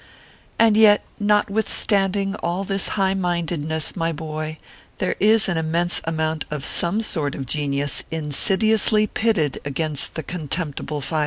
And yet, notwithstanding all this high mindedness, my boy, there is an immense amount of some sort of genius insidiously pitted against the contemptible 500.